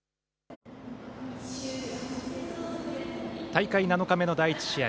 大会７日目の第１試合。